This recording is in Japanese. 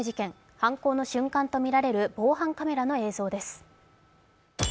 犯行の瞬間とみられる防犯カメラの映像です。